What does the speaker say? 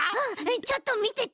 ちょっとみてて！